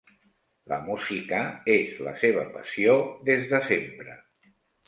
La música és la seva passió des de sempre.